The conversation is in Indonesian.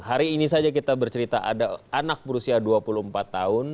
hari ini saja kita bercerita ada anak berusia dua puluh empat tahun